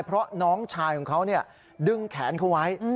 เพราะน้องชายของเขาดึงแขนเขาไว้